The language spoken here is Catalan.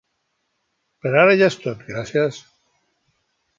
Per ara ja és tot, gràcies!